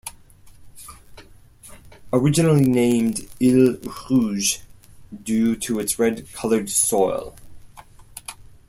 Originally named "Ile Rouge" due to its red coloured soil.